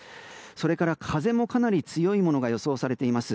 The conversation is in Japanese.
それから、風もかなり強いものが予想されています。